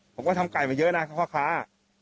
ผมก็ทำไก่มาเยอะแล้วข้าวค้า